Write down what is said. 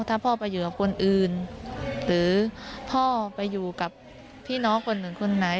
ถ้าพ่อไปอยู่กับคนอื่นหรือพ่อไปอยู่กับพี่น้องคนหนึ่งคนไหน